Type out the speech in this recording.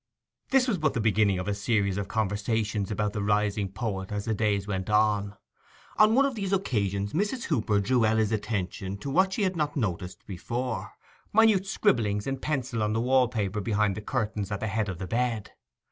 This was but the beginning of a series of conversations about the rising poet as the days went on. On one of these occasions Mrs. Hooper drew Ella's attention to what she had not noticed before: minute scribblings in pencil on the wall paper behind the curtains at the head of the bed.